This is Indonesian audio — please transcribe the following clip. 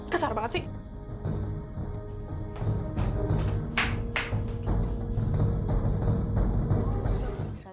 keser banget sih